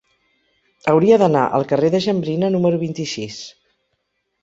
Hauria d'anar al carrer de Jambrina número vint-i-sis.